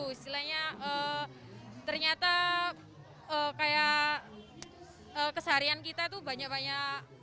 istilahnya ternyata kayak keseharian kita tuh banyak banyak